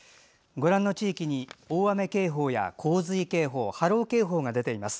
ご覧の地域に大雨警報や洪水警報波浪警報が出ています。